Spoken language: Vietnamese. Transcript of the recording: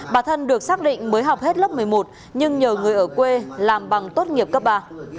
bà thân được xác định mới học hết lớp một mươi một nhưng nhờ người ở quê làm bằng tốt nghiệp cấp ba